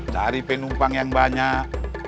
cari penumpang yang banyak